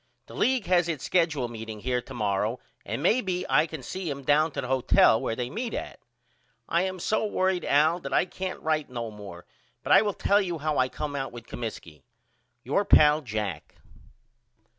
The league has its skedule meeting here to morrow and may be I can see him down to the hotel where they meet at. I am so worried Al that I can't write no more but I will tell you how I come out with Comiskey. Your pal, JACK.